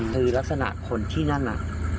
คือลักษณะคนที่นั่นน่ะ